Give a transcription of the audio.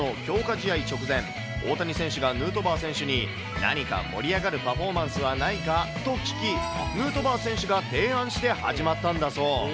試合直前、大谷選手がヌートバー選手に、何か盛り上がるパフォーマンスはないかと聞き、ヌートバー選手が提案して始まったんだそう。